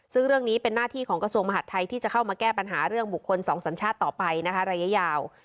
ซึ่งเรื่องนี้เป็นหน้าที่ของกระทรวงมหาดไทยที่จะเข้ามาแก้ปัญหาเรื่องบุคคลสองสัญชาติต่อไปนะคะระยะยาว